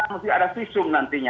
mesti ada fissure nantinya